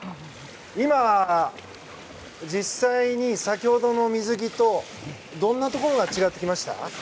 今、実際に先ほどの水着とどんなところが違っていました？